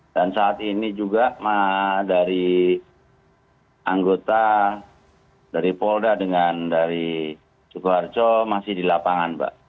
dan saat ini juga dari anggota dari polda dengan dari sukoharjo masih di lapangan pak